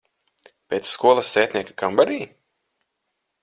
Pēc skolas sētnieka kambarī?